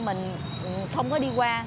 mình không có đi qua